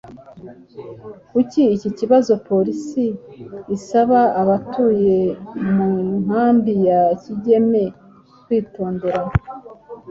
Kuri iki kibazo polisi isaba abatuye mu nkambi ya Kigeme kwitodera